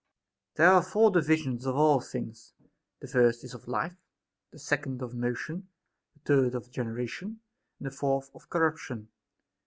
There are four divisions of all things ; the first is of life, the second of motion, the third of generation, and the fourth of corruption.